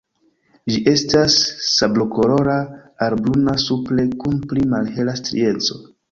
Ĝi estas sablokolora al bruna supre kun pli malhela strieco.